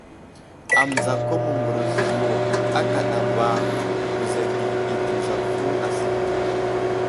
Amənzako mə mbərezl yo akadaba bəza geli ɗi tənzako aslər.